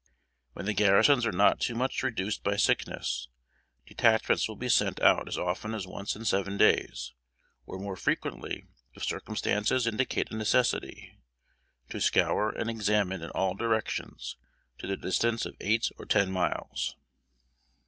When the garrisons are not too much reduced by sickness, detachments will be sent out as often as once in seven days, or more frequently if circumstances indicate a necessity, to scour and examine in all directions to the distance of eight or ten miles.